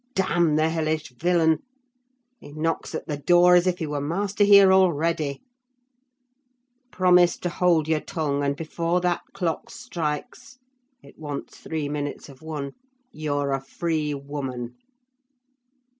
Damn the hellish villain! He knocks at the door as if he were master here already! Promise to hold your tongue, and before that clock strikes—it wants three minutes of one—you're a free woman!